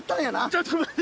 ちょっと待て。